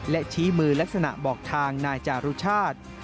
และชี้มือลักษณะบอกทางนายจารุชาติ